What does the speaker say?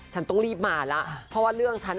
ฉันต้องรีบมาแล้วเพราะว่าเรื่องฉัน